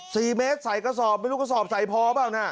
สี่เมตรใส่กระสอบไม่รู้กระสอบใส่พอเปล่าน่ะ